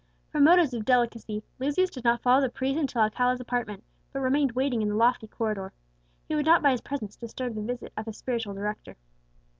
From motives of delicacy, Lucius did not follow the priest into Alcala's apartment, but remained waiting in the lofty corridor. He would not by his presence disturb the visit of a spiritual director.